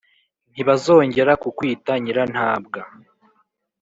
ntibazongera kukwita «nyirantabwa»,